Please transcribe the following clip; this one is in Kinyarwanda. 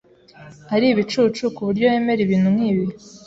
Ari ibicucu kuburyo yemera ibintu nkibi?